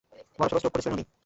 বড়সড় স্ট্রোক করেছিলেন উনি।